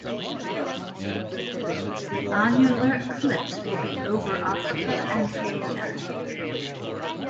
The annular eclipse will be over Africa and Asia.